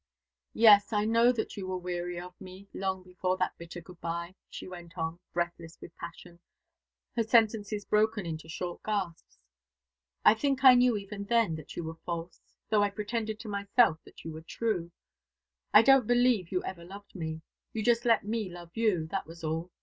"Yes, I know that you were weary of me long before that bitter good bye," she went on, breathless with passion, her sentences broken into short gasps. "I think I knew even then that you were false, though I pretended to myself that you were true. I don't believe you ever loved me. You just let me love you, that was all.